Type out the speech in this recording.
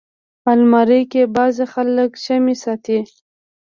الماري کې بعضي خلک شمعې ساتي